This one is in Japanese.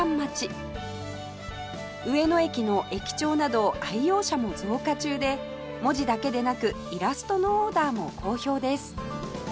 上野駅の駅長など愛用者も増加中で文字だけでなくイラストのオーダーも好評です